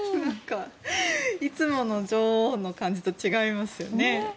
いつもの女王の感じと違いますよね。